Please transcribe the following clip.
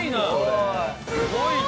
すごいな。